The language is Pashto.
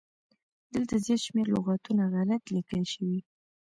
دلته زيات شمېر لغاتونه غلت ليکل شوي